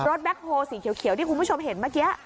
รถแบ๊กโพลสีเขียวเขียวที่คุณผู้ชมเห็นเมื่อกี้